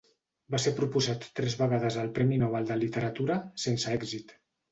Va ser proposat tres vegades al Premi Nobel de Literatura, sense èxit.